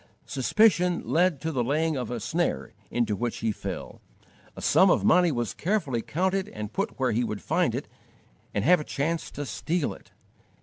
Suspicion led to the laying of a snare into which he fell: a sum of money was carefully counted and put where he would find it and have a chance to steal it.